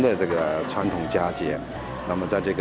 nhiều lời chúc mừng năm mới